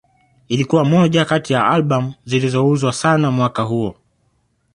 Ilikuwa moja kati ya Albamu zilizouzwa sana mwaka huo